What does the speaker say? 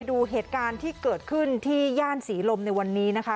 ดูเหตุการณ์ที่เกิดขึ้นที่ย่านศรีลมในวันนี้นะคะ